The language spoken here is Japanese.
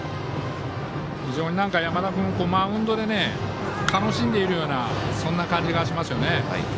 非常に山田君マウンドで楽しんでいるようなそんな感じがしますよね。